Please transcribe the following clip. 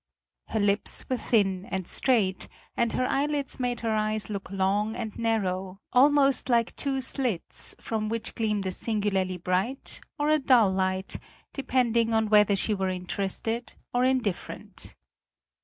Her lips were thin and straight, and her eyelids made her eyes look long and narrow, almost like two slits from which gleamed a singularly bright or a dull light, depending on whether she were interested or indifferent.